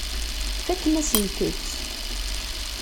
Fakken-asent-tt.